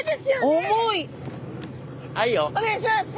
お願いします！